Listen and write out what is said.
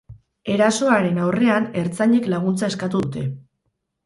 Erasoaren aurrean ertzainek laguntza eskatu dute.